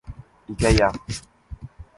I què hi ha?